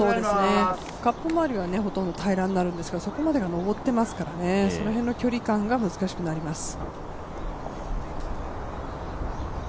カップ周りはほとんど平良になるんですけどそこまでが上っていますからね、その辺の距離感が難しくなります。